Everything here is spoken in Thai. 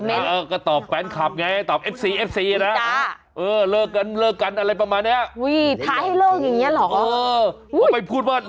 อะไรประมาณเนี้ยอุ้ยท้ายให้เลิกอย่างเงี้ยหรอเออเอาไปพูดว่า